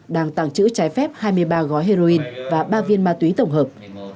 đang tàng trữ trái phép hai mươi ba gói heroin và ba viên ma túy tổng hợp